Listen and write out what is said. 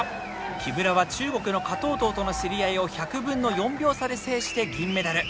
木村は中国の華棟棟との競り合いを１００分の４秒差で制して銀メダル。